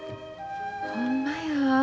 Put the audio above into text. ほんまや。